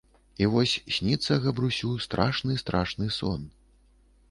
I вось снiцца Габрусю страшны, страшны сон...